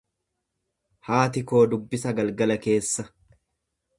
Haati koo dubbisa galgala keessa.